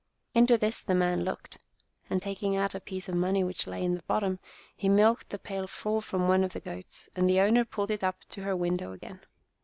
Into this the man looked, and taking out a piece of money which lay in the bottom, he milked the pail full from one of the goats, and the owner pulled it up to her window again.